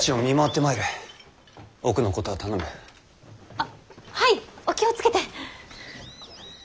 あっはいお気を付けて！